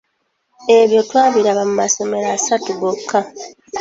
Ebyo twabiraba mu masomero asatu gokka.